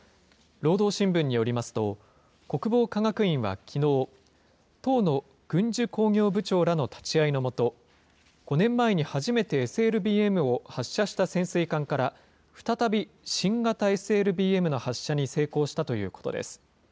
労働新聞によりますと、国防科学院はきのう、党の軍需工業部長らの立ち会いの下、５年前に初めてＳＬＢＭを発射した潜水艦から、再び新型ＳＬＢＭの発射に成功したということです。